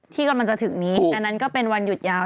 ที่กำลังจะถึงนี้อันนั้นก็เป็นวันหยุดยาว